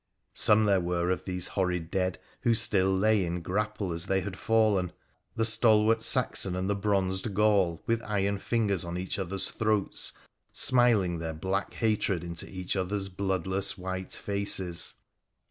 Some there were of these, horrid dead who still lay in grapple as they had fallen — the stalwart Saxon and the bronzed Gaul with iron fingers on each other's throats, smiling their black hatred into each other's bloodless white faces.